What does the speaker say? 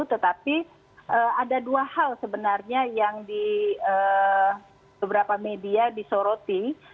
tetapi ada dua hal sebenarnya yang di beberapa media disoroti